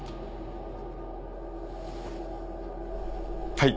はい。